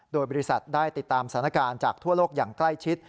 โดยบริษัทได้ติดตามสถานการณ์จากทั่วโลกอย่างใกล้ชิด